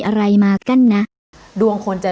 หรือดวงดังดูก